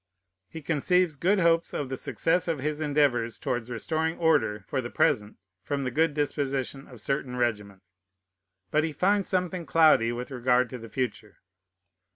He conceives good hopes of the success of his endeavors towards restoring order for the present from the good disposition of certain regiments; but he finds something cloudy with regard to the future.